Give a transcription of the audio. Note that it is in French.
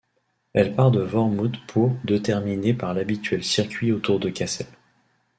Elle part de Wormhout pour de terminer par l'habituel circuit autour de Cassel.